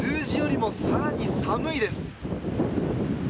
数字よりもさらに寒いです。